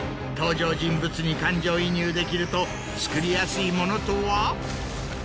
登場人物に感情移入できると作りやすいものとは？